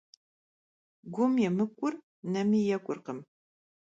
Gum yêmık'ur nemi yêk'urkhım.